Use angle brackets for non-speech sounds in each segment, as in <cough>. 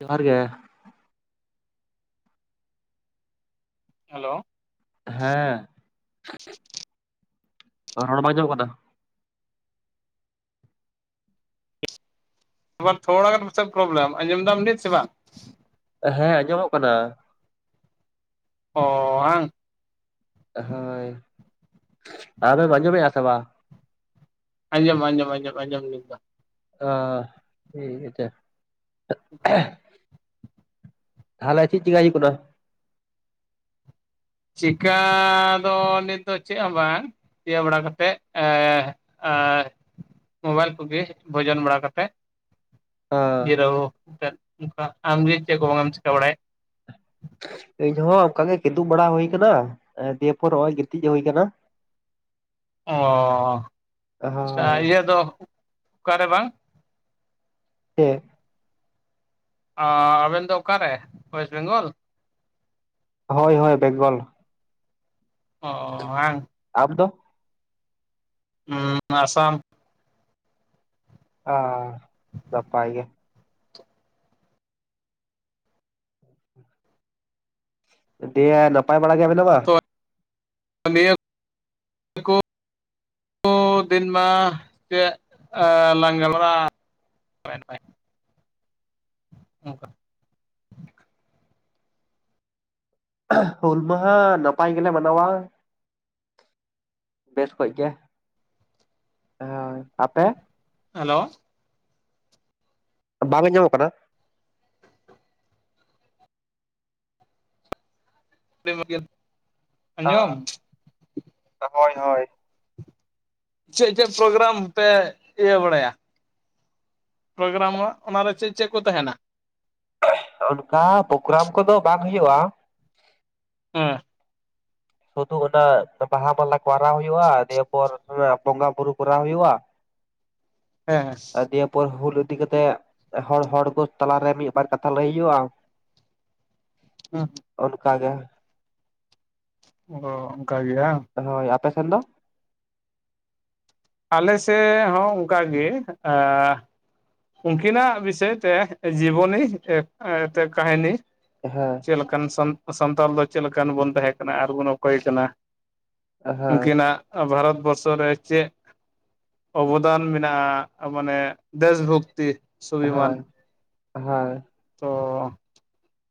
ᱡᱚᱦᱟᱨ ᱜᱮ᱾ ᱦᱮᱞᱳ ᱦᱮᱸ ᱾ <inaudible> ᱨᱚᱲ ᱵᱟᱝ ᱟᱸᱡᱚᱢᱚᱜ ᱠᱟᱱᱟ᱾ ᱟᱵᱟᱨ ᱛᱷᱚᱲᱟᱜᱟᱱ ᱯᱟᱥᱮᱡ ᱯᱨᱚᱵᱞᱮᱢ, ᱟᱸᱡᱚᱢ ᱫᱟᱢ ᱱᱤᱛ ᱥᱮ ᱵᱟᱝ? ᱦᱮᱸ ᱟᱸᱡᱚᱢᱚᱜ ᱠᱟᱱᱟ᱾ ᱚ ᱦᱟᱝ᱾ ᱦᱳᱭ, ᱟᱢᱮᱢ ᱟᱸᱡᱚᱢᱮᱜᱼᱟ ᱥᱮ ᱵᱟᱝ? ᱟᱡᱚᱢ ᱟᱡᱚᱢ ᱟᱡᱚᱢ ᱟᱡᱚᱢ ᱟᱡᱚᱢ ᱱᱤᱛ ᱫᱚ ᱾ ᱚ ᱴᱷᱤᱠ ᱟᱪᱷᱮ <unintelligible> ᱛᱟᱦᱚᱞᱮ ᱪᱮᱫ ᱪᱤᱠᱟᱭ ᱦᱩᱭᱩᱜ ᱠᱟᱱᱟ? ᱪᱤᱠᱟᱻ ᱫᱚ ᱱᱤᱛ ᱫᱚ ᱪᱮᱫ ᱦᱚᱸ ᱵᱟᱝ᱾ ᱤᱭᱟᱹ ᱵᱟᱲᱟ ᱠᱟ ᱠᱟᱛᱮᱫ ᱮᱸ ᱮᱸ ᱢᱳᱵᱟᱭᱤᱞ ᱠᱚᱜᱮ ᱵᱷᱳᱡᱚᱱ ᱵᱟᱲᱟ ᱠᱟᱛᱮᱫ ᱚ ᱡᱤᱨᱟᱹᱣ ᱠᱟᱛᱮᱫ ᱚᱱᱠᱟ, ᱟᱢᱜᱮ ᱪᱮᱫ ᱠᱚ ᱵᱟᱝ ᱮᱢ ᱪᱤᱠᱟ ᱵᱟᱲᱟᱭᱮᱫ? ᱤᱧᱦᱚᱸ ᱚᱱᱠᱟ ᱜᱮ ᱠᱤᱫᱩᱵ ᱵᱟᱲᱟ ᱦᱩᱭ ᱠᱟᱱᱟ, ᱫᱤᱭᱮ ᱯᱚᱨ ᱱᱚᱸᱜᱼᱚᱭ ᱜᱤᱛᱤᱡ ᱦᱩᱭ ᱠᱟᱱᱟ᱾ ᱚᱻ ᱟᱪᱷᱟ ᱦᱳᱭ ᱤᱭᱟᱹ ᱫᱚ ᱚᱠᱟᱨᱮ ᱵᱟᱝ ᱪᱮᱫ? ᱟᱸᱻ ᱟᱵᱮᱱ ᱫᱚ ᱚᱠᱟᱨᱮ ᱳᱭᱮᱥᱴ ᱵᱮᱝᱜᱚᱞ? ᱦᱳᱭ ᱦᱳᱭ ᱵᱮᱝᱜᱚᱞ᱾ ᱚᱻ ᱦᱟᱝ᱾ ᱟᱢ ᱫᱚ? ᱦᱩᱸᱻ ᱟᱥᱟᱢ᱾ ᱟᱻ ᱱᱟᱯᱟᱭ ᱜᱮ᱾ ᱦ <inaudible> ᱫᱮ ᱱᱟᱯᱟᱭ ᱵᱟᱲᱟ ᱜᱮ ᱢᱮᱱᱟᱢᱟ? ᱛᱚ ᱱᱤᱭᱟᱹ <inaudible> ᱠᱚ <unintelligible> ᱫᱤᱱ ᱢᱟ ᱪᱮᱫ ᱞᱟᱝ ᱜᱟᱞᱢᱟᱨᱟᱜ-ᱟ? ᱦᱳᱭ ᱦᱳᱭ, <inaudible> ᱚᱱᱠᱟ᱾ ᱦᱩᱞᱢᱟᱦᱟ ᱱᱟᱯᱟᱭ ᱜᱮᱞᱮ ᱢᱟᱱᱟᱣᱟ᱾ ᱵᱮᱥ ᱚᱠᱚᱡ ᱜᱮ, ᱦᱳᱭ ᱟᱯᱮ? ᱦᱮᱞᱳ? ᱵᱟᱝ ᱟᱡᱽᱢᱚᱜ ᱠᱟᱱᱟ? <unintelligible> ᱟᱸᱡᱚᱢ ᱦᱳᱭ, ᱦᱳᱭ᱾ ᱪᱮᱫ ᱪᱮᱫ ᱯᱨᱳᱜᱨᱟᱢ ᱯᱮ ᱤᱭᱟᱹ ᱵᱟᱲᱟᱭᱟ? ᱯᱨᱳᱜᱨᱟᱢ ᱚᱱᱟ ᱨᱮ ᱪᱮᱫ ᱪᱮᱫ ᱠᱚ ᱛᱟᱦᱮᱱᱟ? ᱚᱱᱠᱟ ᱯᱨᱳᱜᱨᱟᱢ ᱠᱚᱫᱚ ᱵᱟᱝ ᱦᱩᱭᱩᱜᱼᱟ᱾ ᱦᱮᱸ᱾ ᱥᱩᱫᱩ ᱚᱱᱟ ᱵᱟᱦᱟ ᱢᱟᱞᱟ ᱠᱚ ᱟᱨᱟᱣ ᱦᱩᱭᱩᱜᱼᱟ᱾ ᱫᱤᱭᱮᱯᱚᱨ ᱵᱚᱸᱜᱟ ᱵᱩᱨᱩ ᱠᱚᱨᱟᱣ ᱦᱩᱭᱩᱜᱼᱟ᱾ <inaudible> ᱦᱮᱸ᱾ ᱫᱤᱭᱮ ᱯᱚᱨ ᱦᱩᱞ ᱤᱫᱤ ᱠᱟᱛᱮᱜ ᱦᱚᱲ ᱦᱚᱲ ᱠᱚ ᱛᱟᱞᱟᱨᱮ ᱢᱤᱫᱵᱟᱨ ᱠᱟᱛᱷᱟ ᱞᱟᱹᱭ ᱦᱩᱭᱩᱜᱼᱟ᱾ <unintelligible> ᱦᱩᱸ᱾ ᱚᱱᱠᱟ ᱜᱮ ᱚ ᱚᱱᱠᱟ ᱜᱮᱭᱟ᱾ ᱦᱳᱭ ᱟᱯᱮᱥᱮᱱ ᱫᱚ? ᱟᱞᱮ ᱥᱮᱫ ᱦᱚᱸ ᱚᱱᱠᱟ ᱜᱮ ᱩᱱᱠᱤᱱᱟ ᱵᱤᱥᱚᱭᱛᱮ ᱡᱤᱵᱚᱱᱤ ᱮ ᱮᱛᱮ ᱠᱟᱦᱤᱱᱤ ᱦᱮᱸ᱾ ᱪᱮᱫ ᱞᱮᱠᱟᱱ ᱥᱟᱱᱛᱟᱲ ᱫᱚ ᱪᱮᱫ ᱞᱮᱠᱟᱱ ᱵᱚᱱ ᱛᱟᱦᱮᱸ ᱠᱟᱱᱟ ᱟᱨᱵᱚᱱ ᱚᱠᱚᱭᱮ ᱠᱟᱱᱟ? ᱦᱮᱸ ᱩᱱᱠᱤᱱᱟᱜ ᱵᱷᱟᱨᱚᱛ ᱵᱚᱨᱥᱚ ᱨᱮ ᱪᱮᱫ ᱚᱵᱚᱫᱟᱱ ᱢᱮᱱᱟᱜᱼᱟ, ᱢᱟᱱᱮ ᱫᱮᱥ ᱵᱷᱚᱠᱛᱤ ᱦᱳᱭ, ᱦᱳᱭ᱾ ᱚᱸ᱾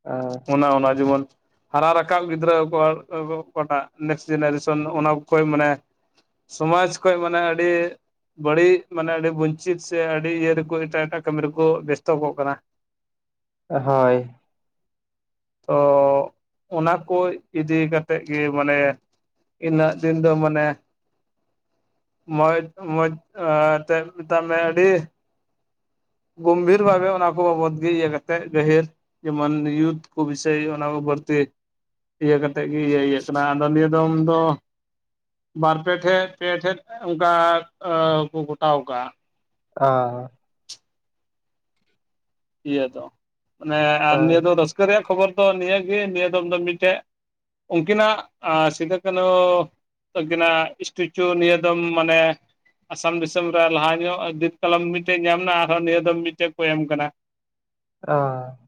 ᱦᱚᱸ᱾ ᱚᱱᱟ ᱚᱱᱟ ᱡᱮᱢᱚᱱ ᱦᱟᱨᱟ ᱨᱟᱠᱟᱵ ᱜᱤᱫᱽᱨᱟᱹ ᱚᱠᱟᱴᱟᱜ ᱱᱮᱠᱥᱴ ᱡᱮᱱᱟᱨᱮᱥᱚᱱ ᱚᱱᱟ ᱠᱚ ᱢᱟᱱᱮ ᱥᱚᱢᱟᱡᱽ ᱠᱷᱚᱡ ᱢᱟᱱᱮ ᱟᱹᱰᱤ ᱵᱟᱹᱲᱤᱡ ᱢᱟᱱᱮ ᱟᱹᱰᱤ ᱵᱚᱧᱪᱤᱛ ᱥᱮ ᱟᱹᱰᱤ ᱤᱭᱟᱹ ᱨᱮᱠᱚ ᱮᱴᱟᱜ ᱮᱴᱟᱜ ᱠᱟᱹᱢᱤ ᱨᱮᱠᱚ ᱵᱮᱥᱛᱚᱜ ᱠᱟᱱᱟ᱾ ᱦᱳᱭ᱾ ᱛᱚ ᱚᱱᱟ ᱠᱚ ᱤᱫᱤ ᱠᱟᱛᱮᱜ ᱜᱮ ᱢᱟᱱᱮ ᱤᱱᱟᱹ ᱫᱤᱱ ᱫᱚ ᱢᱟᱱᱮ ᱢᱚᱡᱽ ᱢᱚᱡᱽ ᱛᱮ ᱢᱮᱛᱟᱜ ᱢᱮ ᱟᱹᱰᱤ ᱜᱚᱢᱵᱷᱤᱨ ᱵᱷᱟᱹᱵᱮ ᱚᱱᱟ ᱠᱚ ᱵᱟᱵᱚᱛ ᱜᱮ ᱤᱭᱟᱹ ᱠᱟᱛᱮᱫ ᱜᱟᱹᱦᱤᱨ ᱡᱮ ᱢᱟᱱᱭᱩᱫ ᱠᱚ ᱵᱤᱥᱚᱭ ᱚᱱᱟ ᱠᱚ ᱵᱟᱹᱲᱛᱮ ᱤᱭᱟᱹ ᱠᱟᱛᱮᱫ ᱜᱮ ᱤᱭᱟᱹ ᱤᱭᱟᱹ ᱠᱟᱱᱟ᱾ ᱟᱫᱚ ᱱᱤᱭᱟᱹ ᱫᱚᱢ ᱫᱚ ᱵᱟᱨ ᱯᱮ ᱴᱷᱮᱡ ᱯᱮ ᱴᱷᱮᱡ ᱚᱱᱠᱟ ᱠᱚ ᱜᱚᱴᱟᱣ ᱟᱠᱟᱹ ᱟᱸ᱾ ᱤᱭᱟᱹ ᱫᱚ ᱢᱟᱱᱮ ᱟᱨ ᱱᱤᱭᱟᱹ ᱫᱚ ᱨᱟᱹᱥᱠᱟᱹ ᱨᱮᱭᱟᱜ ᱠᱷᱚᱵᱚᱨ ᱫᱚ ᱱᱤᱭᱟᱹᱜᱮ ᱱᱤᱭᱟᱹ ᱫᱚᱢ ᱫᱚ ᱢᱤᱫᱴᱮᱡ ᱩᱱᱠᱤᱱᱟᱜ ᱥᱤᱫᱟ- ᱠᱟᱹᱱᱦᱩ ᱟᱹᱠᱤᱱᱟᱹ ᱥᱴᱮᱪᱩ ᱱᱤᱭᱟᱹ ᱫᱚᱢ ᱢᱟᱱᱮ ᱟᱥᱟᱢ ᱫᱤᱥᱚᱢ ᱨᱮ ᱞᱟᱦᱟ ᱧᱚᱜ ᱡᱤᱛ ᱠᱟᱞᱚᱢ ᱢᱤᱫᱴᱮᱡ ᱧᱟᱢ ᱮᱱᱟ ᱟᱨᱦᱚᱸ ᱱᱤᱭᱟᱹ ᱫᱚᱢ ᱢᱤᱫᱴᱮᱡ ᱠᱚ ᱮᱢ ᱟᱠᱟᱱᱟ᱾ ᱚᱸ᱾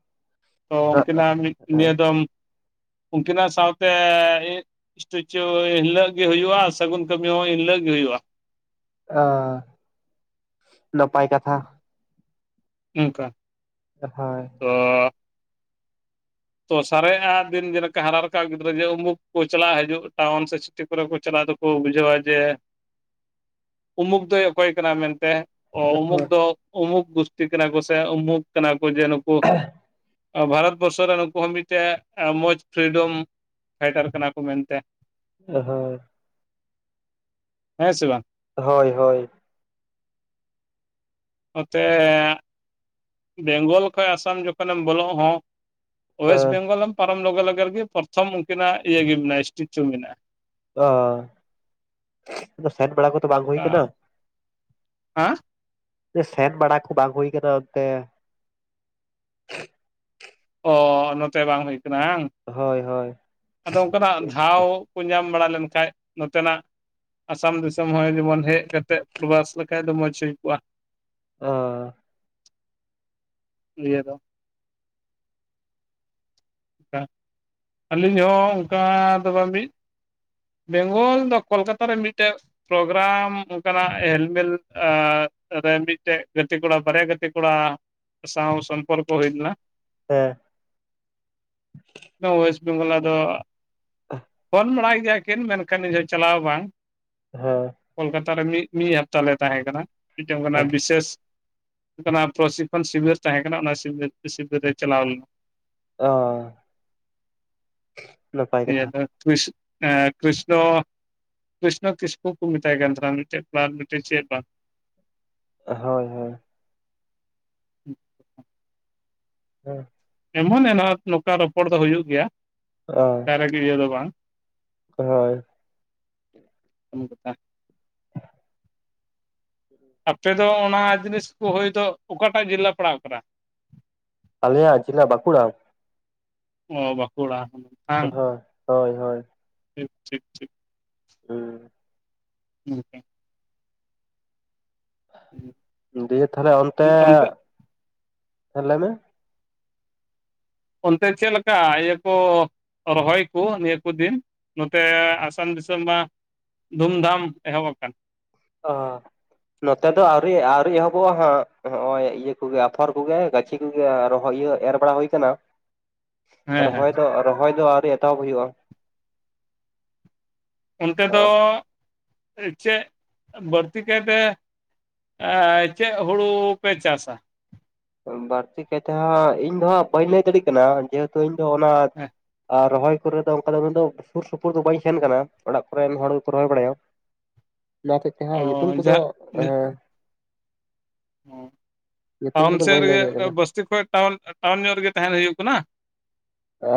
ᱛᱚ ᱩᱱᱠᱤᱱᱟᱜ ᱢᱤᱫ ᱱᱤᱭᱟᱹ ᱫᱚᱢ ᱩᱱᱠᱤᱱᱟᱜ ᱥᱟᱶᱛᱮ ᱥᱴᱮᱪᱩᱸ ᱮᱱᱦᱤᱞᱟᱹᱜ ᱜᱮ ᱦᱩᱭᱩᱜᱼᱟ᱾ ᱥᱟᱹᱜᱩᱱ ᱠᱟᱹᱢᱤ ᱦᱚᱸ ᱮᱱᱦᱤᱞᱟᱹᱜ ᱜᱮ, ᱦᱩᱭᱩᱜᱼᱟ᱾ ᱚ ᱱᱟᱯᱟᱭ ᱠᱟᱛᱷᱟ᱾ ᱚᱱᱠᱟ <unintelligible> ᱦᱳᱭ᱾ ᱛᱚ <unintelligible> ᱛᱚ ᱥᱟᱨᱮ-ᱜ ᱟ ᱫᱤᱱ ᱡᱮᱞᱠᱟ᱾ ᱦᱟᱨᱟ ᱨᱟᱠᱟᱵ ᱜᱤᱫᱽᱨᱟᱹ ᱡᱮ ᱩᱢᱩᱠ ᱠᱚ᱾ ᱪᱟᱞᱟ-ᱜ ᱦᱤᱡᱩ-ᱜ ᱴᱟᱣᱩᱱ ᱥᱮ ᱪ ᱠᱚᱨᱮ ᱠᱚ ᱪᱟᱞᱟ-ᱜ ᱫᱚ-ᱠᱚ ᱵᱩᱡᱟᱹᱣᱟ᱾ ᱡᱮ <inaudible> ᱩᱢᱩᱠ ᱫᱚᱭ, ᱚᱠᱚᱭ ᱠᱟᱱᱟ ᱢᱮᱱᱛᱮ᱾ ᱚᱸ ᱩᱢᱩᱠ ᱫᱚ᱾ ᱩᱢᱩᱠ ᱜᱩᱥᱴᱤ ᱠᱟᱱᱟ ᱠᱚ᱾ ᱥᱮ ᱩᱢᱩᱠ ᱠᱟᱱᱟ ᱠᱚ ᱡᱮ ᱱᱩᱠᱩ ᱟ ᱵᱷᱟᱨᱚᱛ ᱵᱚᱨᱥᱚ ᱨᱮ ᱟᱠᱚ ᱦᱚᱸ ᱢᱤᱫᱴᱮᱱ, ᱢᱚᱡᱽ ᱯᱷᱽᱤᱨᱤᱰᱚᱢ ᱯᱷᱟᱭᱴᱟᱨ ᱠᱟᱱᱟ ᱠᱚ ᱾ ᱢᱮᱱᱛᱮ ᱚ ᱦᱚᱸ᱾ ᱦᱮᱸ ᱥᱮ ᱵᱟᱝ᱾ ᱦᱳᱭ - ᱦᱳᱭ᱾ ᱱᱚᱛᱮᱸᱻ ᱵᱮᱝᱜᱚᱞ ᱠᱷᱚᱱ ᱾ᱟᱥᱟᱢ ᱡᱚᱠᱷᱚᱱ ᱮᱢ ᱵᱚᱞᱚ-ᱜ ᱦᱚᱸ ᱚᱳᱭᱮᱥᱴ ᱵᱮᱝᱜᱚᱞ ᱮᱢ ᱯᱟᱨᱚᱢ ᱞᱚᱜᱟ - ᱞᱟᱜᱟ ᱨᱮᱜᱮ, ᱯᱨᱚᱛᱷᱚᱢ ᱩᱱᱠᱤᱱᱟ-ᱜ ᱤᱭᱟᱹ ᱜᱮ, ᱢᱮᱱᱟᱜᱼᱟ᱾ ᱥᱴᱮᱪᱩ ᱢᱮᱱᱟᱜᱼᱟ᱾ ᱚᱸ ᱥᱮᱱ ᱵᱮᱲᱟ ᱠᱚ-ᱛᱚ ᱵᱟᱝ ᱦᱩᱭ ᱠᱟᱱᱟ? ᱦᱟᱸ᱾ ᱥᱮᱱ ᱵᱟᱲᱟ ᱠᱚ, ᱵᱟᱝ ᱦᱩᱭ ᱟᱠᱟᱱᱟ᱾ ᱚᱱᱛᱮ ᱚᱻ ᱱᱚᱛᱮ ᱵᱟᱝ ᱦᱩᱭ ᱠᱟᱱᱟ ᱾ᱟᱝ ᱦᱳᱭ - ᱦᱳᱭ᱾ ᱟᱫᱚ ᱚᱱᱠᱟᱱᱟ-ᱜ ᱫᱷᱽᱟᱣ ᱠᱚ ᱧᱟᱢ ᱵᱟᱲᱟ ᱞᱮᱱᱠᱷᱟᱡ᱾ ᱱᱚᱛᱮᱱᱟ-ᱜ᱾ ᱟᱥᱟᱢ ᱫᱤᱥᱚᱢ ᱦᱚᱸ ᱡᱮᱢᱚᱱ, ᱦᱮᱡ ᱠᱟᱛᱮ᱾ ᱯᱚᱨᱵᱟᱥ ᱞᱮᱠᱷᱟᱡ ᱫᱚ ᱾ ᱢᱚᱸᱡᱽᱷ ᱦᱩᱭ ᱠᱚᱜᱼᱟ᱾ ᱚᱸᱻ ᱤᱭᱟᱹ ᱫᱚ᱾ ᱟᱹᱞᱤᱧ ᱦᱚᱸ ᱚᱱᱠᱟ᱾ ᱫᱚ ᱵᱟᱝ ᱢᱤᱫ ᱵᱮᱝᱜᱚᱞ ᱫᱚ, ᱠᱳᱞᱠᱟᱛᱟ ᱨᱮ᱾ ᱢᱤᱫᱴᱮᱡ ᱯᱨᱳᱜᱨᱟᱢ ᱚᱱᱠᱟᱱᱟ-ᱜ ᱦᱮᱞ-ᱢᱮᱞ ᱨᱮ, ᱢᱤᱫᱴᱮᱡ ᱜᱟᱛᱮ ᱠᱚᱲᱟ ᱾ ᱵᱟᱨᱭᱟ ᱜᱟᱛᱮ ᱠᱚᱲᱟ᱾ ᱥᱟᱶ ᱦᱚᱸ ᱥᱚᱢᱯᱚᱨᱠ ᱦᱩᱭᱱᱟ᱾ ᱦᱮᱸ᱾ ᱚᱭᱮᱥᱴ ᱵᱮᱝᱜᱚᱞ ᱟᱫᱚ᱾ ᱯᱷᱳᱱ ᱵᱟᱲᱟᱭ, ᱮᱫᱮᱭᱟᱠᱤᱱ᱾ ᱢᱮᱱᱠᱷᱟᱱ ᱤᱧᱦᱚᱸ ᱪᱟᱞᱟᱣ ᱵᱟᱝ ᱦᱮᱸ᱾ ᱠᱳᱞᱠᱟᱛᱟ ᱨᱮ, ᱢᱤᱫ ᱢᱤᱫ ᱦᱟᱯᱛᱟᱞ ᱞᱮ ᱛᱟᱦᱮᱸ ᱠᱟᱱᱟ᱾ ᱢᱤᱫᱴᱮᱱ ᱠᱟᱱᱟ ᱦᱮᱸ ᱵᱤᱥᱮᱥ ᱯᱨᱚᱥᱠᱷᱚᱱ ᱥᱤᱵᱤᱨ ᱛᱟᱦᱮᱸ ᱠᱟᱱᱟ᱾ ᱚᱱᱟ ᱥᱤᱵ ᱥᱤᱵᱤᱨ ᱨᱮ ᱪᱟᱞᱟ-ᱣ ᱞᱮᱱᱟ᱾ ᱚᱸᱻ <unintelligible> ᱤᱥ ᱠᱤᱥᱱᱚ <unintelligible> ᱠᱨᱤᱥᱱᱚ, ᱠᱤᱥᱠᱩ ᱠᱚ ᱢᱮᱛᱟᱭ ᱠᱟᱱ ᱛᱟᱦᱮᱱᱟ ᱾ ᱢᱤᱫᱴᱮᱡ ᱠᱳᱲᱟ <unintelligible> ᱢᱤᱫᱴᱮᱱ ᱪᱮᱫ ᱵᱟᱝ ᱦᱳᱭ - ᱦᱳᱭ᱾ <inaudible> ᱦᱮᱸ᱾ ᱮᱢᱚᱱ ᱮᱱᱟᱱᱷᱟ-ᱜ ᱱᱚᱝᱠᱟ ᱨᱚᱯᱚᱲ ᱫᱚ᱾ ᱦᱩᱭᱩ-ᱜ ᱜᱮᱭᱟ᱾ ᱚ ᱪᱟᱨᱟ ᱜᱤᱲᱭᱟᱹ ᱫᱚ ᱵᱟᱝ, ᱦᱳᱭ᱾ ᱩᱱ ᱡᱚᱠᱷᱟ᱾ ᱟᱯᱮ ᱫᱚ ᱚᱱᱟ ᱡᱤᱱᱤᱥ ᱠᱚ ᱦᱚᱭᱛᱚ ᱚᱠᱟᱴᱟᱜ ᱡᱮᱞᱟ ᱯᱟᱲᱟᱜ ᱠᱟᱱᱟ? ᱟᱞᱮᱭᱟᱜ ᱡᱮᱞᱟ ᱵᱟᱸᱠᱩᱲᱟ᱾ ᱚ ᱵᱟᱹᱠᱩᱲᱟ ᱦᱩ, ᱦᱚ ᱦᱳᱭ ᱦᱳᱭ᱾ ᱴᱷᱤᱠ ᱴᱷᱤᱠ ᱴᱷᱤᱠ ᱾ ᱦᱩᱸ᱾ <unintelligible> ᱦᱩᱸ᱾ ᱫᱤᱭᱟᱹ ᱛᱟᱦᱚᱞᱮ ᱚᱱᱛᱮ ᱦᱮᱸ ᱞᱟᱹᱭ ᱢᱮ? ᱚᱱᱛᱮ ᱪᱮᱫ ᱞᱮᱠᱟ ᱤᱭᱟᱹ ᱠᱚ, ᱨᱚᱦᱚᱭ ᱱᱤᱭᱟᱹ ᱠᱚ ᱫᱤᱱ ᱱᱚᱛᱮ ᱟᱥᱟᱢ ᱫᱤᱥᱚᱢ ᱢᱟ, ᱫᱷᱩᱢᱫᱷᱟᱢ ᱮᱦᱚᱵ ᱟᱠᱟᱱ᱾ ᱚ ᱱᱚᱛᱮ ᱫᱚ ᱟᱹᱣᱨᱤ ᱟᱹᱣᱨᱤ ᱮᱦᱚᱵᱚᱜᱼᱟ ᱦᱟᱸᱜ ᱱᱚᱜᱼᱚᱭ ᱤᱭᱟᱹ ᱠᱚᱜᱮ ᱟᱯᱷᱚᱨ ᱠᱚᱜᱮ ᱜᱟᱪ ᱜᱟᱹᱪᱷᱤ ᱠᱚᱜᱮ ᱟᱨ ᱨᱚᱦᱚᱭ ᱤᱭᱟᱹ ᱮᱨ ᱵᱟᱲᱟ ᱦᱳᱭ ᱠᱟᱱᱟ᱾ ᱦᱮᱸ ᱦᱮᱸ ᱨᱚᱦᱚᱭ ᱫᱚ ᱨᱚᱦᱚᱭ ᱫᱚ ᱟᱹᱣᱨᱤ ᱮᱛᱚᱦᱚᱵ ᱦᱩᱭᱩᱜᱼᱟ? ᱚᱱᱛᱮ ᱫᱚ ᱦᱮᱸ, ᱪᱮᱜ ᱵᱟᱹᱲᱛᱤ ᱠᱟᱭᱛᱮ, ᱮᱸ ᱪᱮᱜ ᱦᱳᱲᱳ ᱯᱮ ᱪᱟᱥᱟ? ᱵᱟᱹᱲᱛᱤ ᱠᱟᱭᱛᱮ ᱦᱟᱸᱜ ᱤᱧ ᱫᱚ ᱦᱟᱸᱜ ᱵᱟᱹᱧ ᱞᱟᱹᱭ ᱫᱟᱲᱮᱭᱟᱜ ᱠᱟᱱᱟ ᱡᱮᱦᱮ ᱛᱚ ᱤᱧ ᱫᱚ ᱚᱱᱟ ᱦᱮᱸ ᱟ ᱨᱚᱦᱚᱭ, ᱠᱚᱨᱮ ᱫᱚ ᱚᱱᱠᱟ ᱫᱚ ᱢᱮᱱ ᱫᱚ ᱥᱩᱨ ᱥᱩᱯᱩᱨ ᱫᱚ ᱵᱟᱹᱧ ᱥᱮᱱ ᱠᱟᱱᱟ ᱚᱲᱟᱜ ᱠᱚᱨᱮᱱ ᱦᱚᱲ ᱜᱮᱠᱚ ᱨᱚᱦᱚᱭ ᱵᱟᱲᱟᱭᱟ᱾ ᱚᱱᱟ ᱦᱚᱛᱮᱪ ᱛᱮ ᱦᱟᱸᱜ ᱧᱩᱛᱩᱢ ᱚ ᱠᱚᱫᱚ ᱮᱻ, ᱚ ᱧᱩᱛᱩᱢ ᱵᱟᱢ ᱠᱚᱫᱚ ᱫᱤᱥᱟᱹᱭ ᱮᱫ ᱵᱟᱹᱧ ᱞᱟᱹᱭ ᱨᱮᱜᱮ ᱫᱟᱲᱮᱭᱟᱜ ᱠᱟᱱᱟ ᱵᱟᱥᱛᱤ ᱠᱷᱚᱱ ᱴᱟᱣᱩᱱ ᱴᱟᱣᱩᱱ ᱧᱚᱜ ᱨᱮᱜᱮ ᱛᱟᱦᱮᱱ ᱦᱩᱭᱩᱜ ᱠᱟᱱᱟ?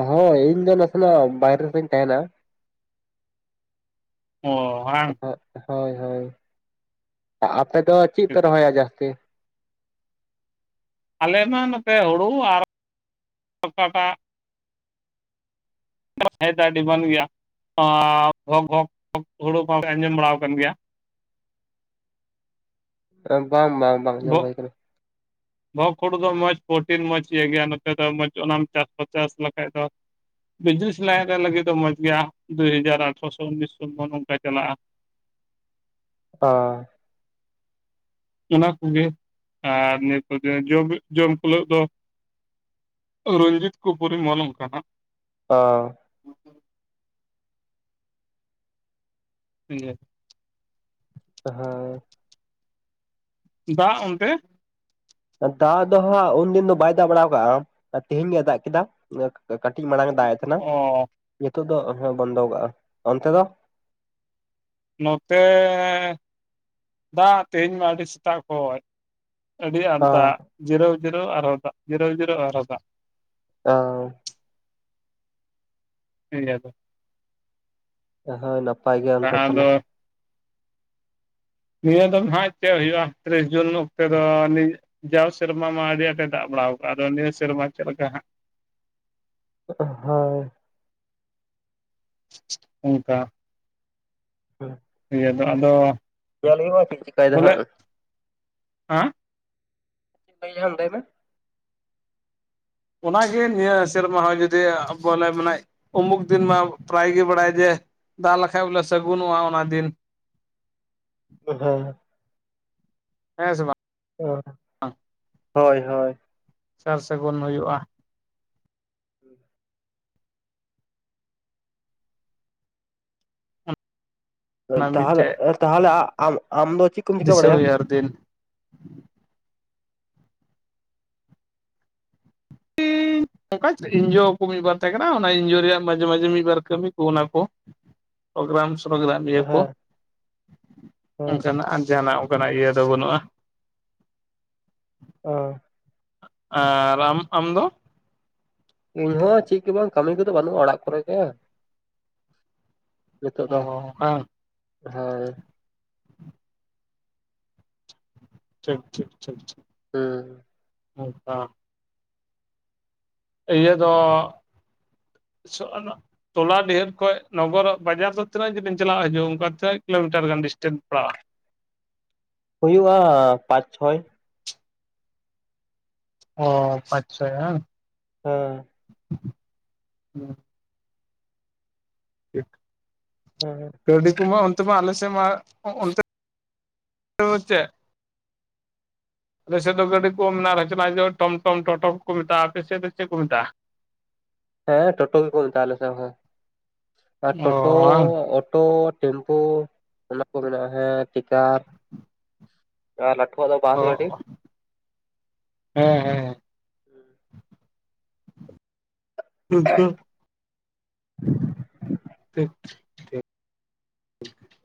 ᱦᱮᱸ ᱤᱧ ᱫᱚ ᱱᱟᱥᱮᱱᱟᱜ ᱵᱟᱭᱨᱮ ᱨᱮᱧ ᱛᱟᱦᱮᱱᱟ᱾ ᱚ ᱵᱟᱝ ᱦᱳᱭ ᱦᱳᱭ᱾ ᱟᱯᱮ ᱫᱚ ᱪᱮᱫ ᱯᱮ ᱨᱚᱦᱚᱭᱟ ᱡᱟᱹᱥᱛᱤ? ᱟᱞᱮ ᱢᱟ ᱱᱚᱛᱮ ᱦᱳᱲᱳ ᱟᱨ ᱚᱠᱟᱴᱟᱜ, <unintelligible> ᱰᱤᱢᱟᱱ ᱜᱮᱭᱟ <unintelligible> ᱦᱳᱲᱳ ᱠᱚ ᱟᱸᱡᱚᱢ ᱵᱟᱲᱟ ᱟᱠᱟᱱ ᱜᱮᱭᱟ᱾ ᱵᱟᱝ ᱵᱟᱝ ᱵᱟᱝ ᱧᱚᱢ ᱟᱸᱡᱚᱢ ᱦᱳᱭ ᱠᱟᱱᱟ᱾ ᱵᱚᱠ ᱦᱳᱲᱳ ᱫᱚ ᱢᱚᱡᱽ ᱯᱨᱚᱴᱤᱱ ᱢᱚᱡᱽ ᱤᱭᱟᱹ ᱜᱮᱭᱟ ᱱᱚᱛᱮ ᱫᱚ ᱢᱚᱡᱽ ᱚᱱᱟᱢ ᱪᱟᱥ ᱵᱟ ᱪᱟᱥ ᱞᱮᱠᱷᱟᱡ ᱫᱚ, ᱵᱤᱡᱽᱱᱮᱥ ᱞᱮᱭᱟ ᱜᱮ ᱞᱟᱹᱜᱤᱫ ᱫᱚ ᱢᱚᱸᱡᱽ ᱜᱮᱭᱟ ᱫᱩᱦᱟᱡᱟᱨ ᱟᱴᱷᱨᱚᱥᱚ ᱩᱱᱤᱥᱥᱚ ᱱᱚᱝᱠᱟ ᱪᱟᱞᱟᱜᱼᱟ᱾ ᱚᱸ᱾ ᱚᱱᱟ ᱠᱚᱜᱮ ᱟᱨ ᱱᱤᱛᱚᱜ ᱫᱚ ᱡᱚᱢ ᱡᱚᱢ ᱦᱩᱞᱟᱹᱜ ᱫᱚ, ᱨᱚᱧᱡᱤᱛ ᱠᱩ ᱯᱚᱨᱤᱢᱚᱞ ᱚᱱᱠᱟᱱᱟᱜ, ᱚ᱾ ᱤᱧᱜᱮ, ᱦᱳᱭ᱾ ᱫᱟᱜ ᱚᱱᱛᱮ? ᱫᱟᱜ ᱫᱚ ᱦᱟᱸᱜ ᱩᱱᱫᱤᱱ ᱫᱚ ᱵᱟᱭ ᱫᱟᱜ ᱵᱟᱲᱟᱣ ᱠᱟᱜᱼᱟ ᱛᱮᱦᱮᱧ ᱜᱮᱭ ᱫᱟᱜ ᱠᱮᱫᱟ᱾ ᱠᱟᱹᱴᱤᱡ ᱢᱟᱲᱟᱝ ᱮ ᱫᱟᱜ ᱮᱫ ᱛᱟᱦᱮᱱᱟ ᱚ ᱱᱤᱛᱚᱜ ᱫᱚ ᱦᱮᱸ ᱵᱚᱱᱫᱚ ᱠᱟᱜᱼᱟ᱾ ᱚᱱᱛᱮ ᱫᱚ? ᱱᱚᱛᱮ ᱫᱟᱜ ᱛᱮᱦᱮᱧ ᱢᱟ ᱟᱹᱰᱤ ᱥᱮᱛᱟᱜ ᱠᱷᱚᱡᱽ᱾ ᱟᱹᱰᱤ ᱟᱨ ᱚ ᱫᱟᱜ ᱡᱤᱨᱟᱹᱣ ᱡᱤᱨᱟᱹᱣ ᱟᱨᱦᱚᱸ ᱫᱟᱜ ᱡᱤᱨᱟᱹᱣ ᱡᱤᱨᱟᱹᱣ ᱟᱨᱦᱚᱸ ᱫᱟᱜ ᱾ ᱚᱸ᱾ ᱴᱷᱤᱠ ᱜᱮᱭᱟ ᱛᱚ᱾ ᱦᱳᱭ ᱱᱟᱯᱟᱭ ᱜᱮᱭᱟᱢ ᱛᱚ ᱛᱟᱦᱞᱮ? ᱟᱫᱚ ᱱᱤᱭᱟᱹ ᱫᱚ ᱱᱟᱦᱟᱸᱜ ᱪᱮᱫ ᱦᱩᱭᱩᱜᱼᱟ ᱛᱤᱨᱤᱥ ᱡᱩᱱ ᱚᱠᱛᱮ ᱫᱚ ᱟᱱᱤᱡ ᱡᱟᱣ ᱥᱮᱨᱢᱟ ᱢᱟ ᱟᱹᱰᱤ ᱟᱸᱴᱮ ᱫᱟᱜ ᱵᱟᱲᱟᱣ ᱠᱟᱜ ᱟᱫᱚ ᱱᱤᱭᱟᱹ ᱥᱮᱨᱢᱟ ᱪᱮᱫ ᱞᱮᱠᱟ ᱦᱟᱸᱜ᱾ ᱦᱳᱭ᱾ ᱚᱝᱠᱟ ᱦᱮᱸ᱾ ᱤᱭᱟᱹ ᱫᱚ ᱟᱫᱚ ᱧᱮᱞ ᱦᱩᱭᱩᱜᱼᱟ ᱪᱮᱫ ᱪᱤᱠᱟᱭᱫᱟ ᱵᱚᱞᱮ ᱦᱟᱸᱜ ᱦᱟᱸ? <inaudible> ᱞᱟᱹᱭ ᱢᱮ᱾ ᱚᱱᱟᱜᱮ ᱱᱤᱭᱟᱹ ᱥᱮᱨᱢᱟ ᱦᱚᱸ ᱡᱩᱫᱤ ᱵᱚᱞᱮ ᱢᱟᱱᱮ ᱩᱢᱩᱠ ᱫᱤᱱ ᱢᱟ ᱯᱨᱟᱭ ᱜᱮ ᱵᱟᱲᱟᱭᱟ ᱡᱮ ᱫᱟᱜ ᱞᱮᱠᱷᱟᱡ ᱵᱚᱞᱮ ᱥᱟᱹᱜᱩᱱᱚᱜᱼᱟ ᱚᱱᱟ ᱫᱤᱱ᱾ ᱦᱮᱸ, ᱦᱮᱸ ᱥᱮ ᱵᱟᱝ? ᱚ ᱦᱳᱭ ᱦᱳᱭ᱾ ᱥᱟᱨ ᱥᱟᱹᱜᱩᱱ ᱦᱩᱭᱩᱜᱼᱟ᱾ ᱚ ᱚᱱᱟ ᱛᱟᱦᱚᱞᱮ ᱢᱤᱫᱴᱮᱡ ᱚ ᱛᱟᱦᱮ ᱟ ᱟᱢ ᱫᱚ ᱪᱮᱫ ᱠᱚᱢ ᱪᱤᱠᱟᱹ ᱫᱤᱥᱟᱹ ᱵᱟᱲᱟᱭᱟ? ᱦᱩᱭᱩᱜᱼᱟ ᱟᱨ ᱫᱤᱱ <inaudible> ᱚᱝᱠᱟ ᱮᱱᱡᱤᱭᱳ ᱠᱚ ᱢᱤᱫ ᱵᱟᱨ ᱛᱟᱦᱮᱸ ᱠᱟᱱᱟ ᱚᱱᱟ ᱮᱱᱡᱤᱭᱳ ᱨᱮᱭᱟᱜ ᱢᱟᱡᱷᱮ ᱢᱟᱡᱷᱮ ᱢᱤᱫ ᱵᱟᱨ ᱠᱟᱹᱢᱤ ᱠᱚ ᱚᱱᱟ ᱠᱚ ᱯᱨᱳᱜᱨᱟᱢ ᱥᱨᱳᱜᱨᱟᱢ ᱱᱤᱭᱟᱹ ᱦᱮᱸ ᱠᱚ ᱦᱮᱸ ᱚᱝᱠᱟᱱᱟᱜ ᱟᱨ ᱡᱟᱦᱟᱸᱱᱟᱜ ᱚᱜᱠᱟᱱᱟᱜ ᱤᱭᱟᱹ ᱫᱚ ᱵᱟᱹᱱᱩᱜᱼᱟ᱾ ᱚ᱾ ᱟᱨ ᱟᱢ ᱟᱢ ᱫᱚ? ᱤᱧᱦᱚ ᱪᱮᱫ ᱜᱮ ᱵᱟᱝ ᱠᱟᱹᱢᱤ ᱠᱚᱫᱚ ᱵᱟᱹᱱᱩᱜᱼᱟ ᱚᱲᱟᱜ ᱠᱚᱨᱮ ᱜᱮ᱾ ᱱᱤᱛᱚᱜ ᱚ ᱫᱚ ᱵᱟᱝ ᱦᱮᱸ᱾ ᱴᱷᱤᱠ ᱴᱷᱤᱠ ᱴᱷᱤᱠ ᱴᱷᱤᱠ᱾ ᱦᱩᱸ᱾ ᱱᱚᱝᱠᱟ ᱤᱭᱟᱹ ᱫᱚ, ᱛᱤᱥᱚᱜ ᱟᱱᱟᱜ ᱛᱚᱞᱟ ᱰᱮᱦᱮᱰ ᱠᱷᱚᱡ ᱱᱚᱜᱚᱨᱚᱜ ᱵᱟᱡᱟᱨ ᱫᱚ ᱛᱤᱱᱟᱜ ᱡᱤᱞᱤᱧ ᱪᱟᱞᱟ ᱦᱤᱡᱩᱜ ᱚᱱᱠᱟ ᱛᱤᱱᱟᱜ ᱠᱤᱞᱳᱢᱤᱴᱟᱨ ᱜᱟᱱ ᱰᱤᱥᱴᱮᱱ ᱯᱟᱲᱟᱜᱼᱟ? ᱦᱩᱭᱩᱜᱼᱟ ᱯᱟᱸᱪ ᱪᱷᱚᱭ᱾ ᱚ ᱯᱟᱪ ᱪᱷᱚᱭ ᱦᱟᱝ? ᱦᱮᱸ᱾ ᱦᱮᱸ ᱴᱷᱤᱠ ᱦᱮᱸ᱾ ᱠᱟᱣᱰᱤ ᱠᱚᱢᱟ ᱚᱱᱛᱮ ᱢᱟ ᱟᱞᱮᱥᱮᱫ ᱢᱟ ᱚᱱᱛᱮ ᱫᱚ ᱪᱮᱫ? ᱟᱞᱮ ᱥᱮᱫ ᱫᱚ ᱜᱟᱹᱰᱤ ᱠᱚ ᱢᱮᱱᱟᱜᱼᱟ ᱨᱚᱪᱚᱱᱟ ᱦᱤᱡᱩᱜᱼᱟ ᱴᱚᱢ ᱴᱚᱢ ᱴᱚᱴᱳ ᱠᱚ ᱢᱮᱛᱟᱜᱼᱟ ᱟᱯᱮ ᱥᱮᱫ ᱫᱚ ᱪᱮᱫ ᱠᱚ ᱢᱮᱛᱟᱜᱼᱟ? <inaudible> ᱦᱮᱸ ᱴᱳᱴᱳ ᱜᱮᱠᱚ ᱢᱮᱛᱟᱜᱼᱟ ᱟᱞᱮ ᱥᱮᱫ ᱦᱚᱸ ᱟᱨ ᱚ ᱴᱳᱴᱳ ᱵᱟᱝ ᱳᱴᱳ ᱴᱮᱢᱯᱩ ᱚᱱᱟ ᱠᱚ ᱢᱮᱱᱟᱜᱼᱟ ᱦᱮᱸ ᱴᱤᱠᱟᱨ ᱟᱨ ᱞᱟᱴᱷᱩᱣᱟᱜ ᱫᱚ ᱵᱟᱥ ᱜᱟᱰᱤ᱾ ᱦᱚᱸ ᱦᱚᱸᱻ <inaudible> <unintelligible> <inaudible> <unintelligible>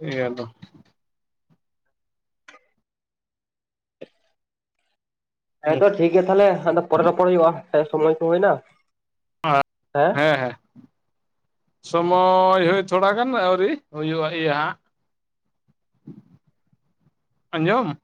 ᱤᱭᱟᱹ ᱫᱚ ᱦᱮᱸ ᱛᱚ ᱴᱷᱤᱠ ᱜᱮᱭᱟ ᱛᱟᱦᱚᱞᱮ ᱟᱫᱚ ᱯᱚᱨᱮ ᱨᱚᱯᱚᱲ ᱦᱩᱭᱩᱜᱼᱟ ᱥᱚᱢᱚᱭ ᱠᱚ ᱦᱩᱭᱮᱱᱟ᱾ ᱦᱮᱸ ᱦᱮᱸ ᱥᱚᱢᱚᱭ ᱦᱚᱭ ᱛᱷᱚᱲᱟ ᱜᱟᱱ ᱟᱹᱣᱨᱤ ᱦᱩᱭᱩᱜᱼᱟ ᱤᱭᱟᱹ ᱦᱟᱸᱜ ᱟᱸᱡᱚᱢ